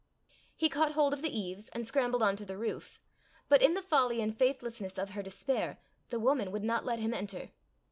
He caught hold of the eaves, and scrambled on to the roof. But in the folly and faithlessness of her despair, the woman would not let him enter.